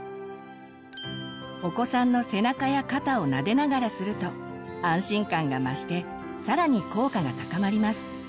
お子さんの背中や肩をなでながらすると安心感が増してさらに効果が高まります。